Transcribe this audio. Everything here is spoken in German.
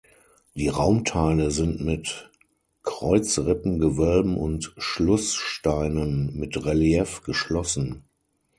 Die Raumteile sind mit Kreuzrippengewölben und Schlusssteinen mit Relief geschlossen.